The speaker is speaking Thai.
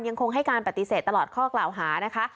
ยังคงให้การปฏิเสธตลอดข้อกล่าวหานะคะ